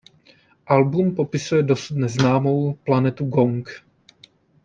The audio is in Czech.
Album popisuje dosud neznámou planetu Gong.